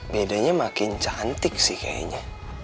bedanya makin cantik sih kayaknya